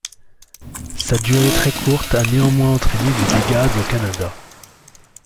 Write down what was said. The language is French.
Sa durée très courte a néanmoins entraîné des dégâts au Canada.